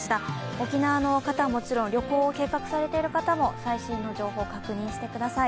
沖縄の方はもちろん旅行を計画されている方も最新の情報を確認してください。